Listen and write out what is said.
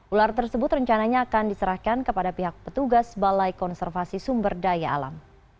ular tersebut rencananya akan diserahkan kepada pihak petugas balai konservasi sumber daya alam